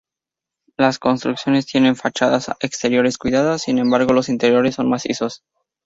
Las construcciones tienen fachadas exteriores cuidadas, sin embargo, los interiores son macizos.